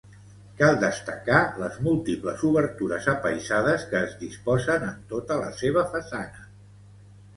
Cal destacar les múltiples obertures apaïsades que es disposen en tota la seva façana.